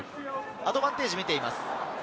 アドバンテージを見ています。